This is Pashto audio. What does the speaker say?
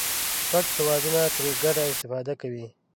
شپږ هېوادونه ترې ګډه استفاده کوي.